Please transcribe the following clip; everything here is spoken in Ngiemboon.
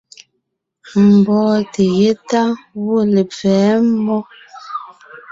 Mbɔ́ɔnte yétá gwɔ̂ lepfɛ̌ mmó.